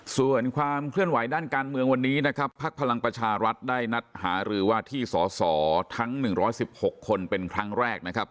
ส่วนความเคลื่อนไหวด้านการเมืองวันนี้นะครับภักดิ์พลังประชารัฐได้นัดหารือว่าที่สอสอทั้ง๑๑๖คนเป็นครั้งแรกนะครับ